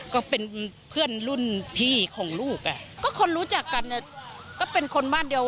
ก็คนรู้จักกันก็เป็นคนบ้านเดียว